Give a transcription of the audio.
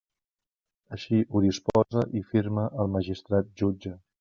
Així ho disposa i firma el magistrat jutge.